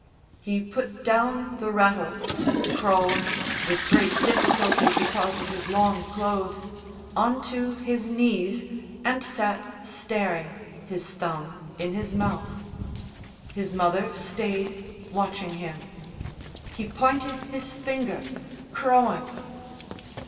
He put down the rattle, crawled, with great difficulty because of his long clothes, on to his knees and sat staring, his thumb in his mouth. His mother stayed, watching him. He pointed his finger, crowing.